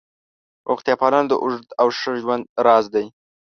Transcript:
روغتیا پالنه د اوږد او ښه ژوند راز دی.